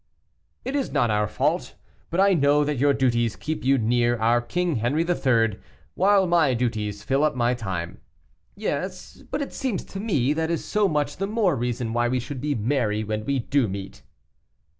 "It is not our fault, but I know that your duties keep you near our King Henry III., while my duties fill up my time." "Yes, but it seems to me that is so much the more reason why we should be merry when we do meet."